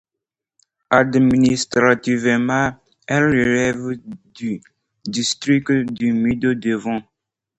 Administrativement, elle relève du district du Mid Devon.